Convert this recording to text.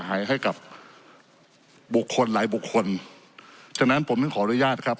หายให้กับบุคคลหลายบุคคลฉะนั้นผมถึงขออนุญาตครับ